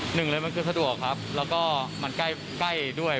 หนึ่งเลยมันคือสะดวกครับแล้วก็มันใกล้ด้วย